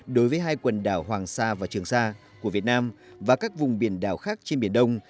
đối với hai quần đảo hoàng sa và trường sa của việt nam và các vùng biển đảo khác trên biển đông